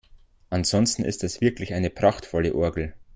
Ansonsten ist es wirklich eine prachtvolle Orgel.